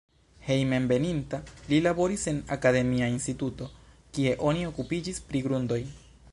Hejmenveninta li laboris en akademia instituto, kie oni okupiĝis pri grundoj.